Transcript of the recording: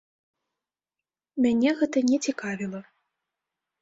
Мяне гэта не цікавіла.